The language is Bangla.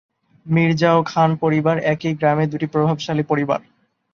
মির্জা ও খান পরিবার একই গ্রামে দুটি প্রভাবশালী পরিবার।